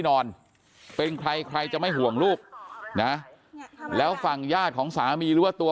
นอนเป็นใครใครจะไม่ห่วงลูกนะแล้วฝั่งญาติของสามีหรือว่าตัว